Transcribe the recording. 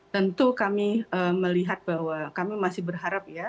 tentu kami melihat bahwa kami masih berharap ya